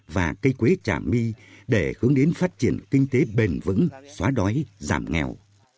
và cây quế trà my để hướng đến phát triển kinh tế bền vững xóa đói giảm nghèo